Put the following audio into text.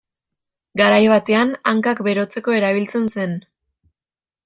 Garai batean hankak berotzeko erabiltzen zen.